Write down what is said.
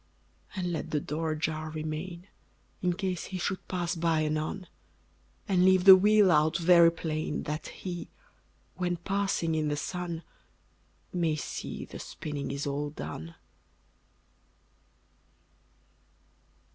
And let the door ajar remain, In case he should pass by anon; And leave the wheel out very plain, That HE, when passing in the sun, May see the spinning is all done.